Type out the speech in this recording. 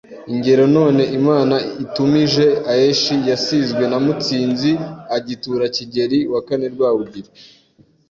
Ingero None imana itumije aeshi yasizwe na Mutsinzi agitura Kigeri IV Rwaugiri